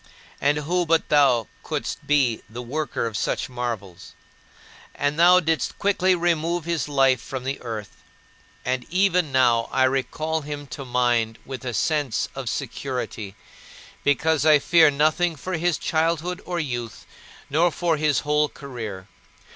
And who but thou couldst be the worker of such marvels? And thou didst quickly remove his life from the earth, and even now I recall him to mind with a sense of security, because I fear nothing for his childhood or youth, nor for his whole career.